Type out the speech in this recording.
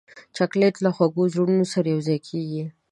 چاکلېټ له خوږو زړونو سره یوځای کېږي.